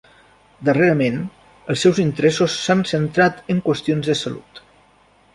Darrerament, els seus interessos s'han centrat en qüestions de salut.